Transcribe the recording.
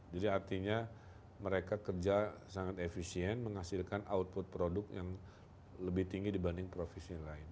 jadi artinya mereka kerja sangat efisien menghasilkan output produk yang lebih tinggi dibanding profesi lain